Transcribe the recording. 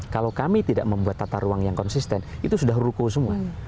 kalau kami tidak membuat tata ruang yang konsisten itu sudah rukuh semua